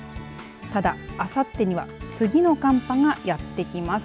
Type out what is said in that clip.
ただ、あさってには次の寒波がやってきます。